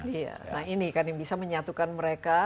iya nah ini kan yang bisa menyatukan mereka